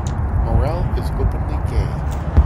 Morel is openly gay.